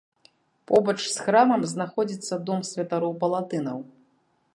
Побач з храмам знаходзіцца дом святароў-палатынаў.